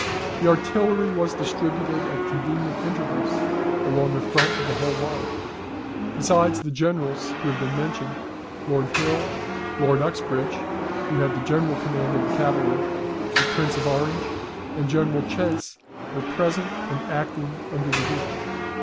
The artillery was distributed at convenient intervals along the front of the whole line. Besides the Generals who have been mentioned, Lord Hill, Lord Uxbridge (who had the general command of the cavalry), the Prince of Orange, and General Chasse, were present, and acting under the Duke.